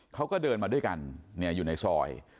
เขาก็เดินมาด้วยกันอยู่ในซอย